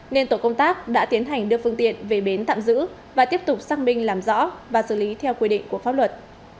nên tổ công tác đã tiến hành đưa phương tiện về bến tạm giữ và tiếp tục xác minh làm rõ và xử lý theo quy định của pháp luật